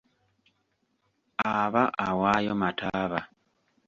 Aba awaayo mataaba.